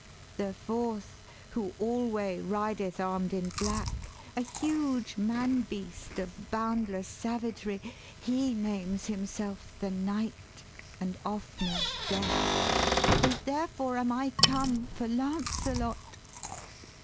The fourth, who alway rideth arm'd in black, A huge man beast of boundless savagery, He names himself the Night and oftener Death. And therefore am I come for Lancelot.'